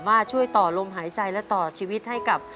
คุณยายแจ้วเลือกตอบจังหวัดนครราชสีมานะครับ